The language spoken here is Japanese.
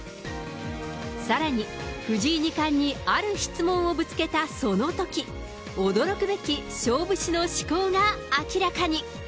さらに、藤井二冠に、ある質問をぶつけたそのとき、驚くべき勝負師の思考が明らかに。